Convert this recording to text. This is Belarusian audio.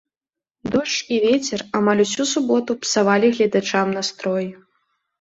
Дождж і вецер амаль усю суботу псавалі гледачам настрой.